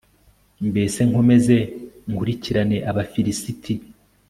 mbese nkomeze nkurikirane abafilisiti